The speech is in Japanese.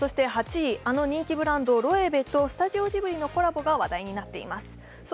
８位、人気ブランドＬＯＥＷＥとスタジオジブリのコラボが話題になっています。